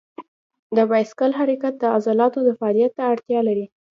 د بایسکل حرکت د عضلاتو فعالیت ته اړتیا لري.